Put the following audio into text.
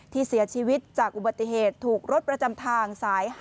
ที่เสียชีวิตจากอุบัติเหตุถูกรถประจำทางสาย๕